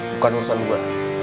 bukan urusan gue